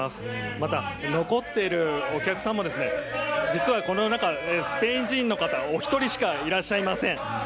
また、残っているお客さんも実はこの中スペイン人の方お一人しかいらっしゃいません。